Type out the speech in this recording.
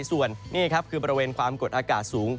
ส่วนนี่ครับคือบริเวณความกดอากาศสูง